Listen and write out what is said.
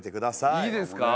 いいですか？